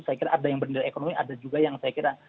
saya kira ada yang bernilai ekonomi ada juga yang saya kira